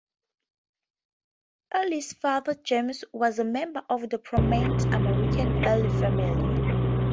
Earle's father James was a member of the prominent American Earle family.